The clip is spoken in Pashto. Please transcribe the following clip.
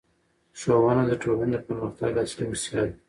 ښوونه د ټولنې د پرمختګ اصلي وسیله ده